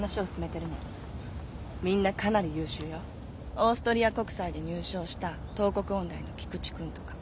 オーストリア国際で入賞した東國音大の菊池君とか。